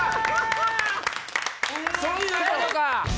そういうことか！